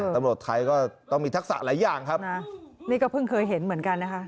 ตำรวจไทยก็ต้องมีทักษะหลายอย่างครับนะนี่ก็เพิ่งเคยเห็นเหมือนกันนะคะ